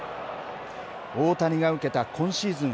大谷が受けた今シーズン